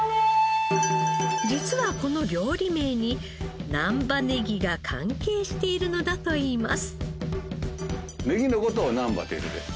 実はこの料理名に難波ネギが関係しているのだといいます。